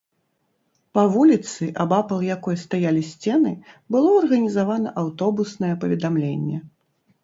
Па вуліцы, абапал якой стаялі сцены, было арганізавана аўтобуснае паведамленне.